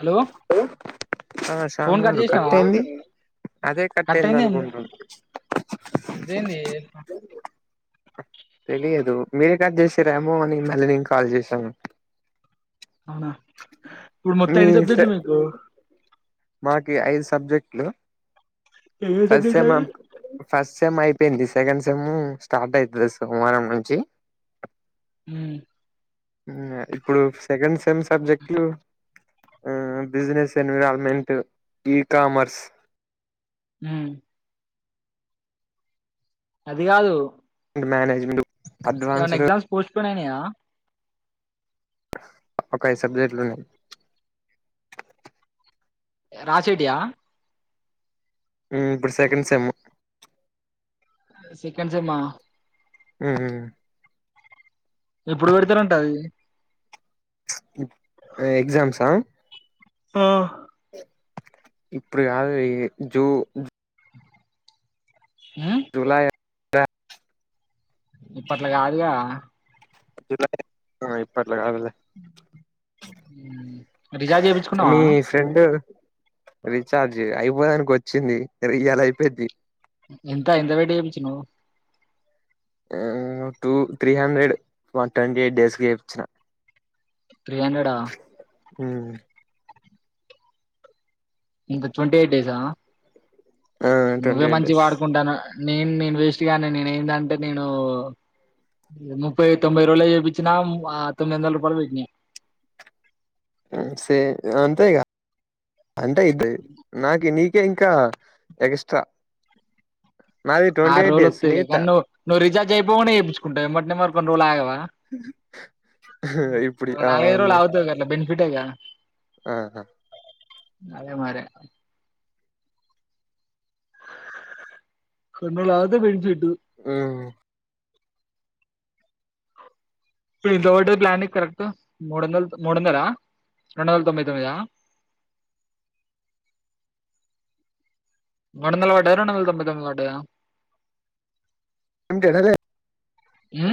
Hello ఉ అ Shyam phone గారు కట్ చేసినావా అయింది అదే కట్ టయిందనుకుంటున్ దేంది తెలియదు మీరే కట్ చేసారేమో అని మళ్ళీ నేను కాల్ చేసాను అవునా ఇప్పుడు మొత్తం మీ ఎన్ని సబ్జెక్ట్లు మీకు మాకి ఐదు సబ్జెక్ట్లు ఏమేమి ఫస్ట్ సబ్జెక్టులు సెమ్ అవి ఫస్ట్ ఫస్ సెమ్ అయిపోయింది సెకండ్ సెమ్ స్టార్ట్ అవుతుది సోమవారం నుంచి హు ఇప్పుడు సెకండ్ సెమ్ సబ్జెక్ట్లు బిజినెస్ ఎన్విరాల్మెంట్ ఈకామర్స్ ఉ అది కాదు మ్యానేజ్మెట్ ఎవైన్న ఎగ్జామ్స్ పోస్ట్ పోన్ అయినాయ ఒక ఐదు సబ్జెక్ట్లున్నాయి రాసేటియా ఉ ఇప్పుడు సేకెండ్ సెమ్ సెకండ్ సెమ్మా ఉ ఎప్పుడు పెడతారంట అవి ఎ ఎగ్జామ్స్ ఆ ఆ ఇప్పుడు కాదు అయి జు ఉమ్ జులై అ ఇప్పట్ల కాదుగా [inaudible] అలా కాదులే ఉమ్ రీఛార్జ్ చేపించుకున్నావా మీ ఫ్రెండు రీచార్జ్ అయిపోయానికి వచ్చింది ఇయల్ అయిపోయిద్ది ఎంత ఎంత పెట్టి ఎపించినవ్ two three hundred one twenty eight days కి ఏపీచిన త్రీ హండ్రెడ ఉ ఇంక ట్వంటీ ఎయిట్ డేస ఆ నువ్వే ట్వంటీ ఎయిట్ మంచి డేస్ వాడుకుంటాను నేను నేను వేస్ట్గానే నేను ఎందంటే నేను ముప్పై తొంబై రోజుల చేయిపించిన తొమ్మిదిందల రూపాయలు వయి సే అంతే ఇగ అంతే అయితది నాక నీ కే ఇంకా ఎక్స్ట్రా నాది ఆ ట్వంటీ ఎయిట్ రోజలు డేస్ వతేలే నీది త కానీవ్వువవు రీచార్జ్ అయిపోగానేేయించుంటవ ఎమట్టినే మరి కొన్ని రోజలు ఆగావా ఇప్పుడు నాలుగు ఐదు రోజులు ఆగితే బెనిఫిట్ ఎగ ఆహ అదే మరి కొన్ని రోజులు ఆగుతే బెనిఫిట్ ఇప్పుడు హు ఇప్పుడు ఇది ఒకటే ప్లానింగ్ కరెక్ట్ మూడు వందలు మూడు వందల రెండు వందల తొంభై తొమ్మిదా అంది [unintelligible] ఎంటే [unintelligible] ఉ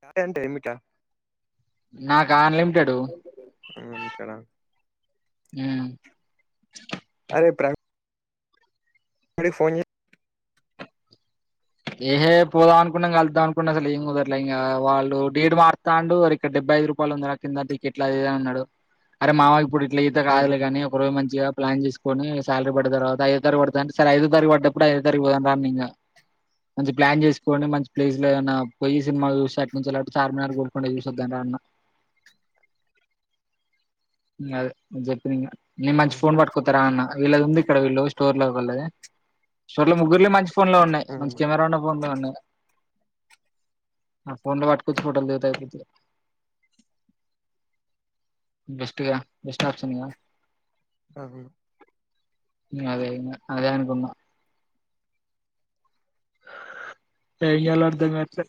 డే అంటే ఏమిట నాకన్లిం [unintelligible] హు [inaudible] ఫోన్ ఏహే పోదాం అనుకున్నాం కలుద్దాం అనుకున్నా అసలు ఏం కుదరలే ఇంకా వాళ్ళు డీడ్ మారుతాండు ఇక్కడబ్బు ఐదు రూపాయలు ఉందిరా కింద టిక్కెట్ అది ఇది అన్నాడు అరే మామ ఇప్పుడు ఇట్లా ఈత కాదులే కానీ ఒక రోజు మంచిగా ప్లాన్ చేసుకుని శాలరీ పడ్డ తర్వాత ఐదో తారీఖు పడుతుది అంటే సరే ఐదో తారీఖు పడ్డప్పుడు ఐదో తారీఖు పోదాం రా అన్నా ఇంక మంచి ప్లాన్ చేసుకొని మంచి ప్లేస్ లో ఏమన్న పోయి సినిమా చూసి అటి నుంచి అలా చార్మినారు గోల్కొండ చూసొద్దాం రా అన్న అదే చెప్పిన నేను మంచి ఫోన్ పట్టుకోత్తరా అన్న వీళ్ళది ఉంది ఇక్కడ వీళ్ళు స్టోర్ లో ఒకళ్ళది స్టోర్ లో ముగ్గురులో మంచి ఫోన్లే ఉన్నాయి [unintelligible] ఆ ఫోన్లు వట్కొచ్చి ఫోటోలు దిగుతాది కీర్తి బెస్ట్ గా బెస్ట్ ఆప్షన్ గా ఆ ఊ ఊ అయ్యిందా అదే అనుకున్నా ఏం చెయ్యాలో అర్దం గాట్లే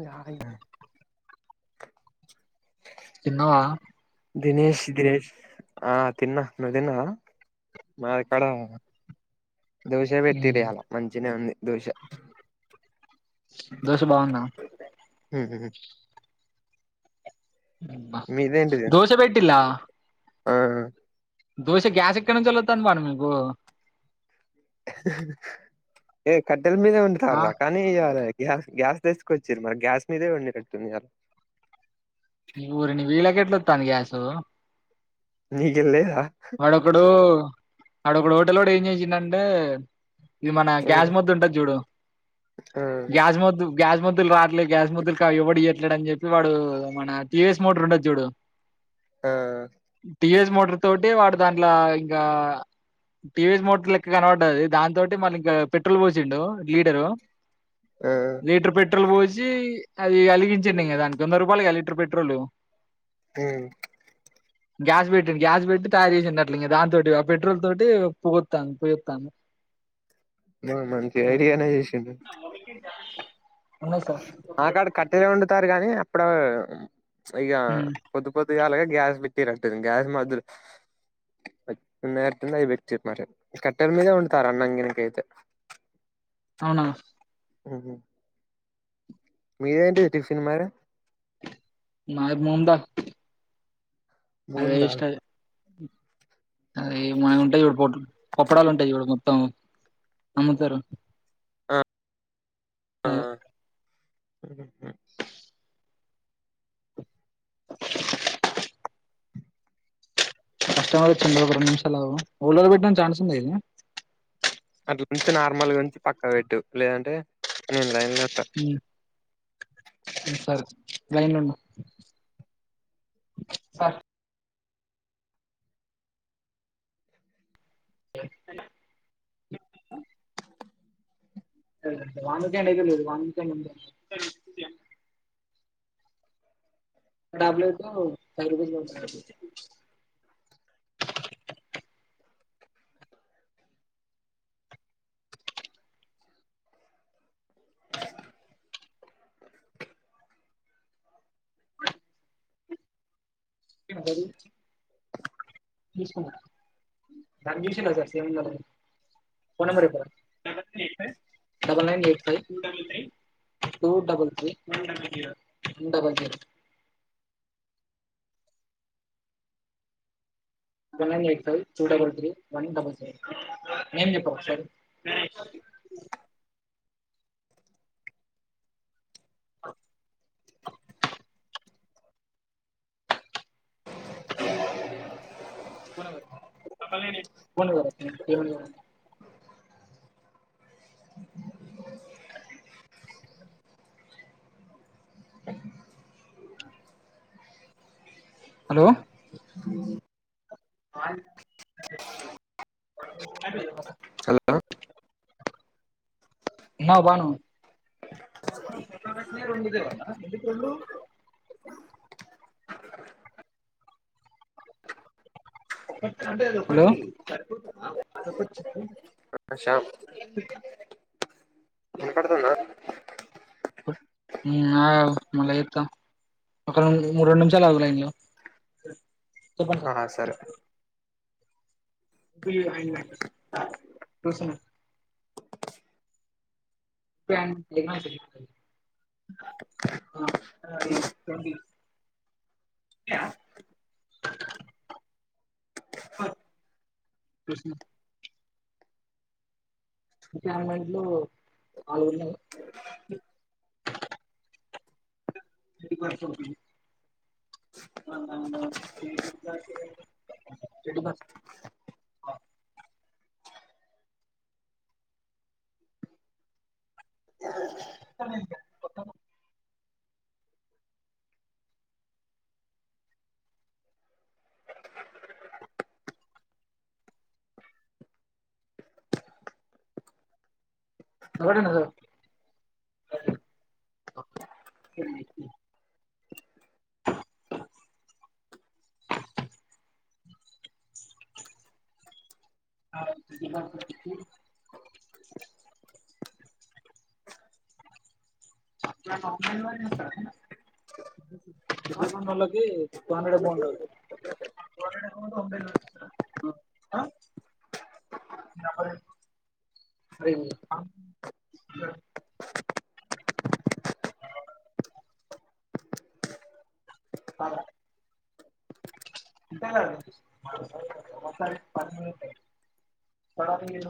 ఏ ఆయనా తిన్నావా ఆ తిన్నా నువ్ తిన్నావా భయ కరంగా దోష పెట్టిర్రు ఉమ్. ఇయ్యాల మంచింగనే ఉంది దోష దోష బావుందా ఊ ఊ ఊ మీదేంటిది దోషె పెట్టిల్లా ఆ దోసె కు గ్యాస్ ఎక్కడు నుంచి [inaudible] భాను మీకు ఏ కట్టెల మీదే వండుతారు ఆ రా కానీ ఇగ అదే గ్యాస్ గ్యాస్ తెసుకొచ్చిరు మరి గ్యాస్ మీదే వండినట్టున్నారు ఓరి నీ వీళ్ళకెట్లొత్తాంది గ్యాసు మీకేం లేదా వాడొకడు ఆడొకడు హోటలోడు ఏం చేసిండంటే ఇది మన ఆ గ్యాస్ మొద్దు ఉంటాది చూడు ఆ గ్యాస్ మొద్దు గ్యాస్ మొద్దులు రాట్లేదు గ్యాస్ మొద్దులు కా ఎవ్వడు ఇయ్యట్లేడు అని చెప్పి వాడు మన టీ వీ ఎస్ మోటర్ ఉంటాది చూడు ఆ టీవీఎస్ మోటర్ తోటే వాడు దాంట్లా ఇగ టీవీ మోటర్ లెక్క కనబడది దాంతోటి మళ్ళీ ఇంకా పెట్రోల్ పోసిండు లీటరు ఆ లీటర్ పెట్రోల్ పోచి అది కలిగించిండి దానికి వంద రూపాయలుగా లీటర్ పెట్రోల్ హ గ్యాస్ పేట్రి గ్యాస్ బెట్టి తయారు చేసినట్ల దాంతోటి పెట్రోల్ తోటి పుగుతాను పుగుతాను మంచి ఐడియానే చేసిండు అవునా సార్ నాక్కడ కట్టెగా వండుతారు కానీ అప్పుడు సో ఇగ ఉమ్ పొద్దు పొద్దుగాలే గ్యాస్ పెట్టి రట్టుంది గ్యాస్ మధలు కట్టెల మీదే వండుతారు అన్నంగినకైయితే అవునా ఉహు మిదేటి టిఫిన్ మరి మాది ముందల ముందల్ అదే మనకు ఉంటాయి ఇట్ పప్పడాలు ఉంటాయి ఇడు మొత్తం అమ్ముతారు ఆ ఆ [inaudible] కస్టమర్ వచ్చింది ఒక రెండు నిమిషాలు ఆగు అట్లా నుంచి నార్మల్గా నుంచి పక్కా పెట్టు లేదంటే లైన్ లో ఉంట ఉమ్ లైన్ లో వున [inaudible] వాంగ్డియితే లేదు వాంగ్ ము [inaudible] [inaudible] [inaudible] రికు [unintelligible] [unintelligible] [unintelligible] అ [unintelligible] [inaudible] ఓ [inaudible] హలో హలో ఉన్నవ బాను స్వతటనే ర ఉండదే అ ఎందుకుళ్ళు హలో ఆ శ్యామ్ వినపడుతుందా ఉమ్ ఆగు మళ్ళీ చెప్తా ఒకం మూడు రెండు నిమిషాలు ఆగు లైన్ లో చెప్పండి ఆ సార్ సరే అసలు [inaudible] [inaudible] ఇ [unintelligible] సత్త అడన్నద స న్ వా [inaudible] [unintelligible] అరే అ ఇంటానవ [unintelligible] పెర్మనెంట్ అయింది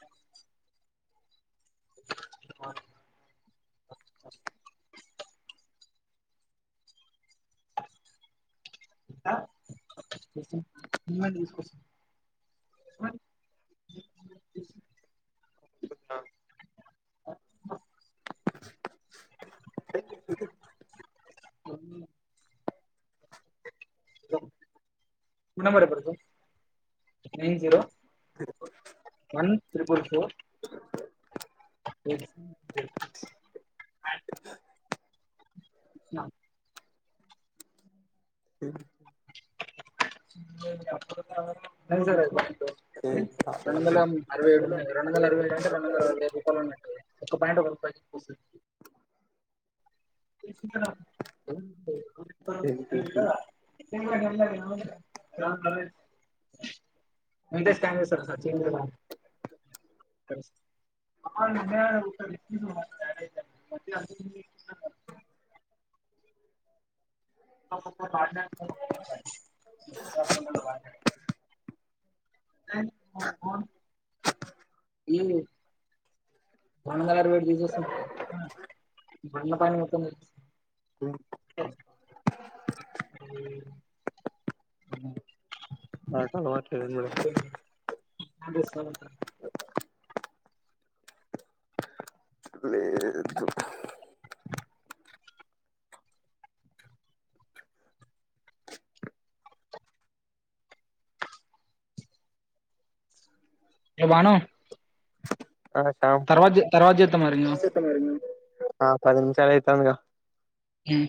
[unintelligible] ఆ [inaudible] [unintelligible] తీస్కోస్ వన్ [unintelligible] తున్న అంటే క్రికెట్ కొన్న nine zero one triple four [unintelligible] ఆ నైన్ జీరో ఎయిట్ రెండోన్దల అరవై ఏడు ఉన్నయ్ రెండోందలరవై ఏడన్టె రెండొందలరవై రూపాలున్నట్టే ఒక పాయింట్ ఒక రూపాయ [unintelligible] [unintelligible] వేల ఉండన్నుండన్న ఉంటే స్కాన్ జేస్తరా సార్ చేంజ్ లెవ్వన్ [unintelligible] [unintelligible] వాడినట్టున్నవ్ ఈ రెండొందలరవై ఏడు తీసేస్తున్నట్టే [unintelligible] [unintelligible] హ్మ్ నకలవాటు లేదు మేడమ్ అంటే [unintelligible] ఏ బానూ ఆ శామ్ చేద్దాం మరి ఆ పది నిమిషాలయితాందిగ హ్మ్